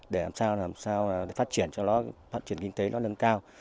để làm sao phát triển cho nó phát triển kinh tế nó nâng cao